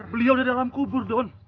beliau di dalam kubur don